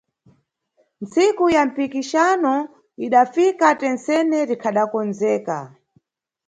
Ntsiku ya mpikisano idafika, tentsene tikhadakondzeka